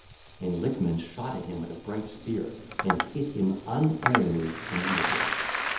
And Lickman shot at him with a bright spear and hit him unerringly in the midriff.